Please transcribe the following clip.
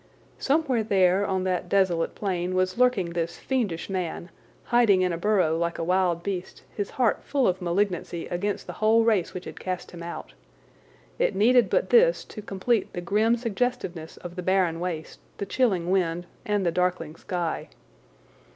Somewhere there, on that desolate plain, was lurking this fiendish man, hiding in a burrow like a wild beast, his heart full of malignancy against the whole race which had cast him out. It needed but this to complete the grim suggestiveness of the barren waste, the chilling wind, and the darkling sky.